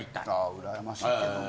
・うらやましいけどな・